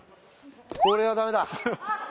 これはダメだ。